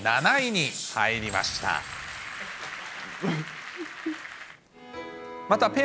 ７位に入りました。